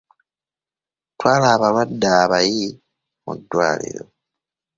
Twala abalwadde abayi mu ddwaliro.